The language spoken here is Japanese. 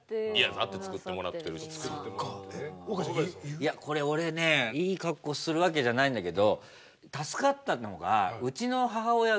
いやこれ俺ねいいカッコするわけじゃないんだけど助かったのが。